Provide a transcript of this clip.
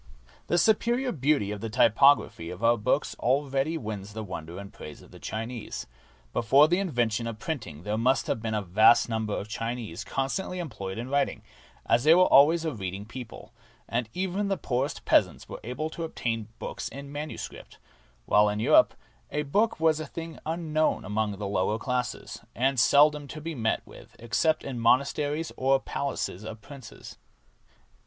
The superior beauty of the typography of our books already wins the wonder and praise of the Chinese. Before the invention of printing there must have been a vast num ber of Chinese constantly employed in writing, as they were always a reading people, and even the poorest peasants were able to obtain books in manuscript, while in Europe a book was a thing unknown among the lower classes, and seldom to be met with except in monasteries or the palaces of princes.